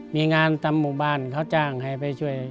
มีงานจากหมู่บ้านก็ค่อยจ้างมาให้ช่วย